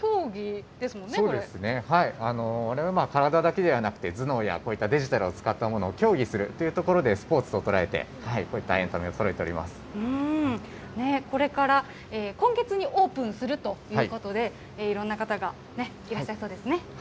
そうですね、われわれ体だけではなくて、頭脳やこういったデジタルを使ったものを競技するっていうところでスポーツと捉えて、こういったエンタメをそろえておこれから、今月にオープンするということで、いろんな方がいらっしゃいそうですね。